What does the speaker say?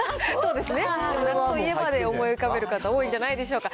思い浮かべる方、多いんじゃないでしょうか。